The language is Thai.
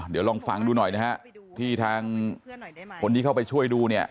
เดี๋ยวลองฟังดูหน่อยนะฮะที่ทางคนที่เข้าไปช่วยดูเนี่ย